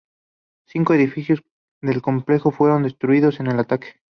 Cinco edificios del complejo fueron destruidos en el ataque.